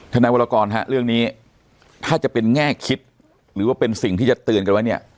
นายวรกรฮะเรื่องนี้ถ้าจะเป็นแง่คิดหรือว่าเป็นสิ่งที่จะเตือนกันไว้เนี่ย